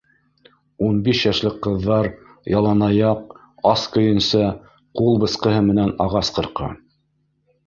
Ун биш йәшлек ҡыҙҙар яланаяҡ, ас көйөнсә ҡул бысҡыһы менән ағас ҡырҡа.